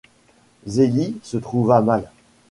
Zélie se trouva mal.